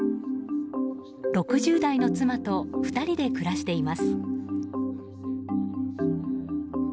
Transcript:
６０代の妻と２人で暮らしています。